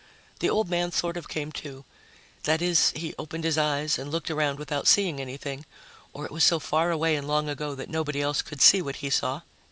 The old man sort of came to. That is, he opened his eyes and looked around without seeing anything, or it was so far away and long ago that nobody else could see what he saw.